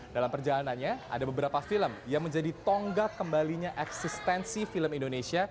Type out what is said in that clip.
dalam perjalanannya ada beberapa film yang menjadi tonggak kembalinya eksistensi film indonesia